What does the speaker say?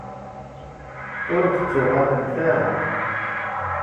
Ur d-tettuɣalemt ara.